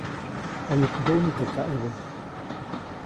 ʼOyuʼt nduʼni teʼ kaʼebä.